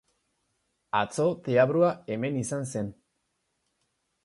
Atzo deabrua hemen izan zen.